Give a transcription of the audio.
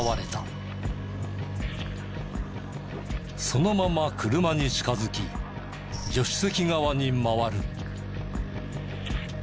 そのまま車に近づき助手席側に回る。